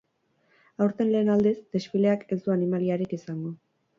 Aurten lehen aldiz, desfileak ez du animaliarik izango.